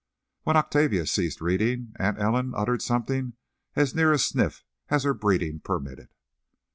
'" When Octavia ceased reading, Aunt Ellen uttered something as near a sniff as her breeding permitted.